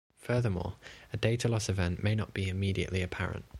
Furthermore, a "Data Loss Event" may not be immediately apparent.